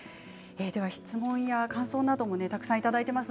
質問や感想などもたくさんいただいています。